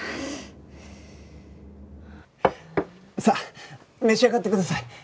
さあ召し上がってください。